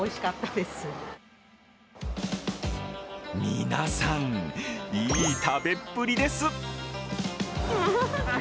皆さん、いい食べっぷりです。